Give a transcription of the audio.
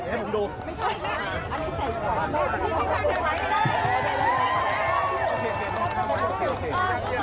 โอ้โหพุ่งมาแรงมาเรื่อยเลย